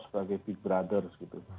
sebagai big brother gitu